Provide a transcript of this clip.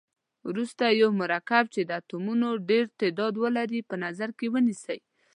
وروسته یو مرکب چې د اتومونو ډیر تعداد ولري په نظر کې ونیسئ.